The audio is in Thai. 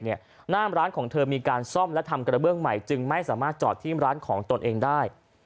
หน้าร้านของเธอมีการซ่อมและทำกระเบื้องใหม่จึงไม่สามารถจอดที่ร้านของตนเองได้